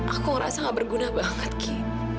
aku ngerasa gak berguna banget ki